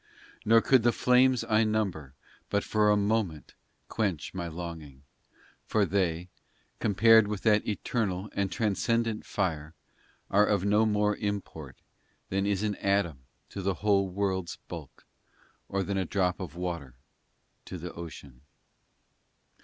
Nor could the flames I number But for a moment quench my longing. POEMS 293 IV For they, compared With that eternal and transcendent fire, Are of no more import Than is an atom to the whole world s bulk, Or than a drop of water to the ocean